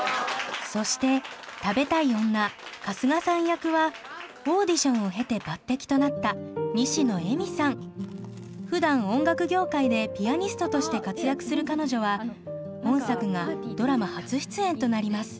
そして食べたい女春日さん役はオーディションを経て抜てきとなったふだん音楽業界でピアニストとして活躍する彼女は本作がドラマ初出演となります。